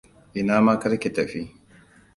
Ina ma kar ki tafi.